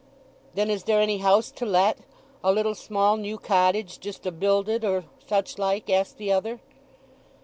"Then is there any house to let—a little small new cottage just a builded, or such like?" asked the other.